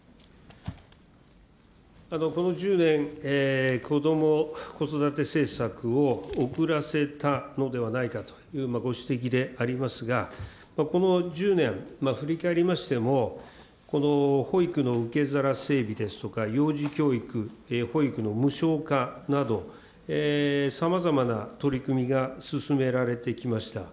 この１０年、こども・子育て政策を遅らせたのではないかというご指摘でありますが、この１０年、振り返りましても、保育の受け皿整備ですとか、幼児教育、保育の無償化など、さまざまな取り組みが進められてきました。